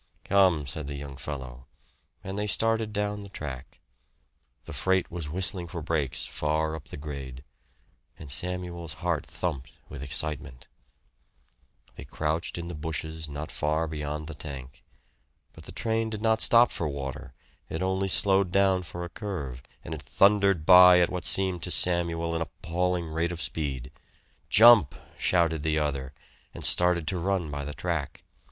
"Come," said the young fellow; and they started down the track. The freight was whistling for brakes, far up the grade. And Samuel's heart thumped with excitement. They crouched in the bushes, not far beyond the tank. But the train did not stop for water; it only slowed down for a curve, and it thundered by at what seemed to Samuel an appalling rate of speed. "Jump!" shouted the other, and started to run by the track.